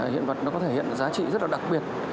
hiện vật nó có thể hiện giá trị rất là đặc biệt